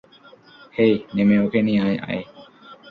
হেই, নেমে ওকে নিয়ে আয়।